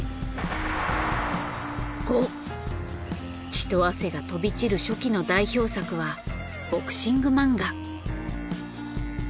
血と汗が飛び散る初期の代表作はボクシング漫画。